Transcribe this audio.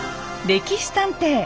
「歴史探偵」。